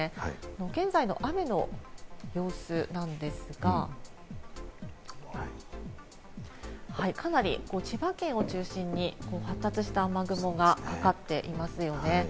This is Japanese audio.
現在の雨の様子なんですが、かなり千葉県を中心に発達した雨雲がかかっていますね。